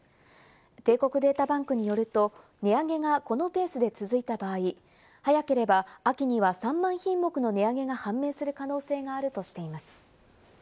帝国データバンクによると値上げがこのペースで続いた場合、早ければ秋には３万品目の値上げが判明する可能性があるとしています。